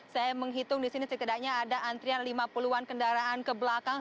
saya menghitung di sini setidaknya ada antrian lima puluh an kendaraan ke belakang